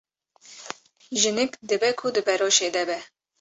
Jinik dibe ku di beroşê de be.